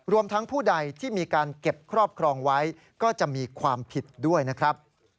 ทั้งผู้ใดที่มีการเก็บครอบครองไว้ก็จะมีความผิดด้วยนะครับ